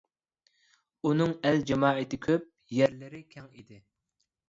ئۇنىڭ ئەل-جامائىتى كۆپ، يەرلىرى كەڭ ئىدى.